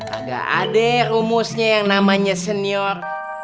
agak adek rumusnya yang namanya senior